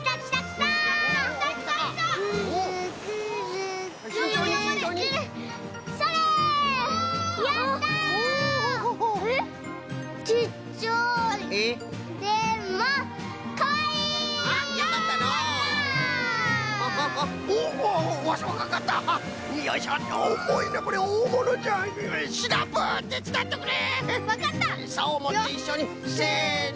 さおをもっていっしょにせの。